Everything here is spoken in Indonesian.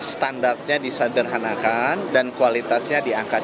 standarnya disederhanakan dan kualitasnya diangkat